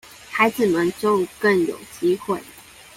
孩子們就更有機會